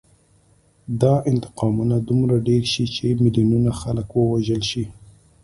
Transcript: دا انتقامونه دومره ډېر شي چې میلیونونه خلک ووژل شي